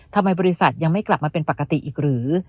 บริษัทยังไม่กลับมาเป็นปกติอีกหรือ